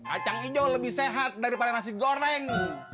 acang ijo lebih sehat daripada nasi goreng